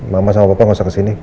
mama sama papa nggak usah kesini